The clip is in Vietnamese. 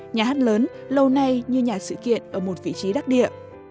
nhà hát lớn lâu nay như nhà sự kiện ở một vị trí đắc địa